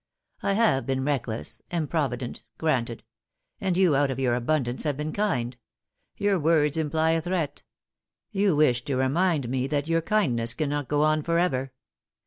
I have been reckless, improvident granted ; and you, out of your abundance, have been kind. Your words imply a threat. You wish to remind me that your kindness cannot go on for ever."